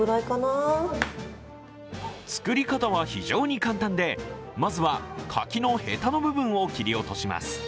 作り方は非常に簡単で、まずは柿のへたの部分を切り落とします。